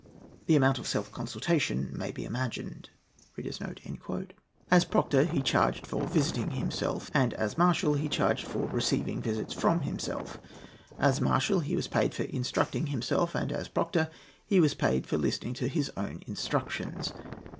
The amount of self consultation may be imagined." As proctor he charged for visiting himself, and as marshal he charged for receiving visits from himself. As marshal he was paid for instructing himself, and as proctor he was paid for listening to his own instructions.